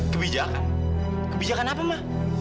kebijakan kebijakan apa ma